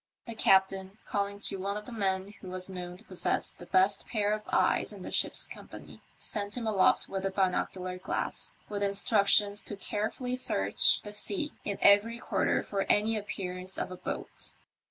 The captain, calling to one of the men who was known to possess the best pair of eyes in the ship's company, sent him aloft with a binocular glass with instructions to carefully search the sea in every quarter for any appearance of a boat.